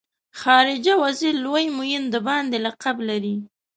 خارجه وزیر لوی معین د باندې لقب لري.